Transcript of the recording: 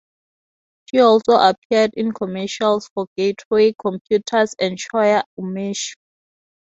She also appeared in commercials for Gateway computers and Choya Umeshu.